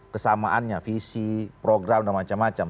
kesamaannya visi program dan macam macam